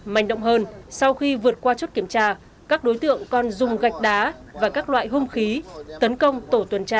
mạnh động hơn sau khi vượt qua chốt kiểm tra các đối tượng còn dùng gạch đá và các loại hung khí tấn công tổ tuần tra